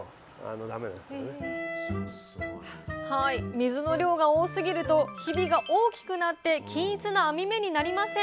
水の量が多すぎるとヒビが大きくなって均一な網目になりません。